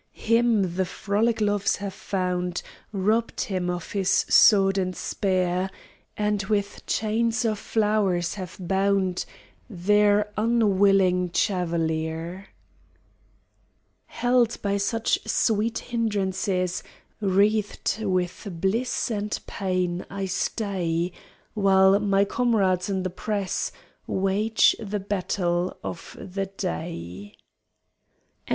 Him the frolic loves have found, Robbed him of his sword and spear, And with chains of flowers have bound Their unwilling chevalier. Held by such sweet hindrances, Wreathed with bliss and pain, I stay, While my comrades in the press Wage the battle of the day. SONG.